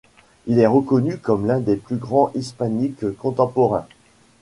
Il est reconnu comme l'un des plus grands hispanistes contemporains.